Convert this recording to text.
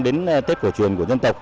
đến tết cổ truyền của dân tộc